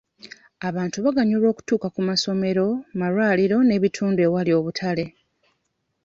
Abantu banguyirwa okutuuka ku masomero, malwaliro n'ebitundu ewali obutale.